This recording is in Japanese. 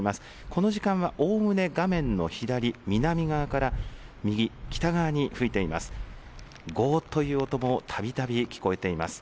この時間はおおむね画面の左、南側から右、北側に吹いています。